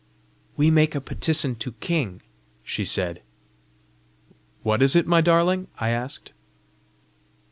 "We make a petisson to king," she said. "What is it, my darling?" I asked.